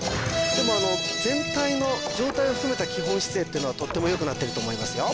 でも全体の上体を含めた基本姿勢っていうのはとってもよくなってると思いますよ